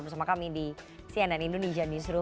bersama kami di cnn indonesia newsroom